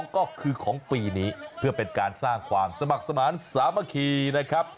ก็คือของปีนี้เพื่อเป็นการสร้างความสมัครสมาธิสามัคคีนะครับ